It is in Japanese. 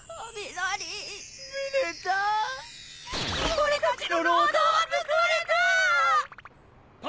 俺たちの労働は報われた！